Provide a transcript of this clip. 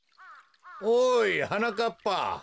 ・おいはなかっぱ。